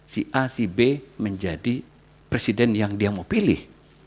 si a si b menjadi presiden yang dia mau pilih